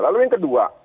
lalu yang kedua